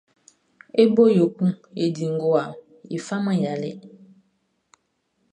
E bo yo kun e di ngowa, e faman ya lɛ.